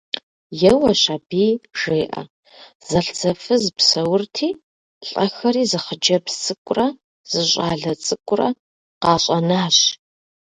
Еуэщ аби, жеӏэ: зэлӏзэфыз псэурти, лӏэхэри зы хъыджэбз цӏыкӏурэ зы щӏалэ цӏыкӏурэ къащӏэнащ.